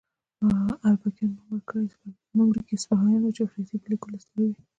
اربکیان نوم ورکي سپاهیان وو چې فرښتې یې په لیکلو ستړې وي.